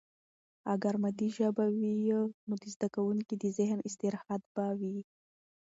اگر مادي ژبه وي، نو د زده کوونکي د ذهن استراحت به دی.